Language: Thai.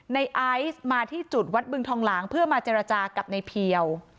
ในไอซ์มาที่จุดวัดบึงทองหลางเพื่อมาเจรจากับในเพียว